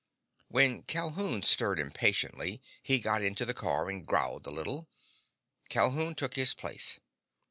When Calhoun stirred impatiently he got into the car and growled a little. Calhoun took his place.